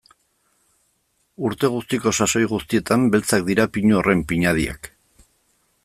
Urte guztiko sasoi guztietan beltzak dira pinu horren pinadiak.